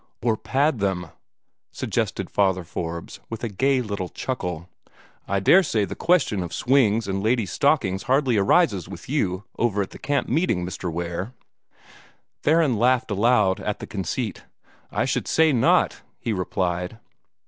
"Or pad them," suggested Father Forbes, with a gay little chuckle. "I daresay the question of swings and ladies' stockings hardly arises with you, over at the camp meeting, Mr. Ware?" Theron laughed aloud at the conceit. "I should say not!" he replied.